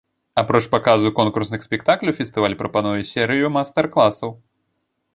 Апроч паказу конкурсных спектакляў, фестываль прапануе серыю майстар-класаў.